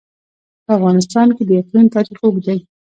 په افغانستان کې د اقلیم تاریخ اوږد دی.